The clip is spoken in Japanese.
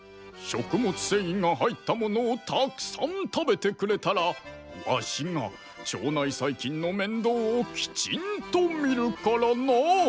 食物繊維がはいったものをたくさん食べてくれたらわしが腸内細菌のめんどうをきちんとみるからな！